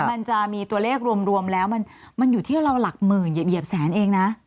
มันจะมีตัวเลขรวมแล้วมันอยู่ที่เราหลักหมื่นเหยียบแสนเองนะ